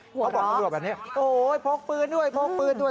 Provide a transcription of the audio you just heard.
เขาบอกตำรวจแบบนี้โอ้โหพกปืนด้วยพกปืนด้วย